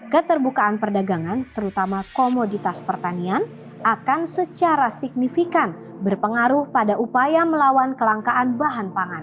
keterbukaan perdagangan terutama komoditas pertanian akan secara signifikan berpengaruh pada upaya melawan kelangkaan bahan pangan